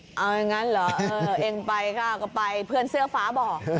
เอาอย่างนั้นเหรอเออเองไปก็ไปเพื่อนเสื้อฟ้าบอก